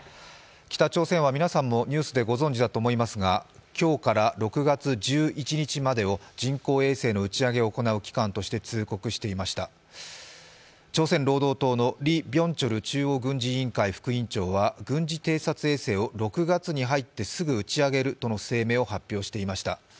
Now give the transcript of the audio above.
北朝鮮は皆さんもニュースでご存じだと思いますが今日から６月１１日までを人工衛星の打ち上げを行う期間として通告していました、朝鮮労働党のリ・ビョンチョル中央軍事委員会副委員長は軍事偵察衛星を６月に入ってすぐに打ち上げるとの声明を発表していました。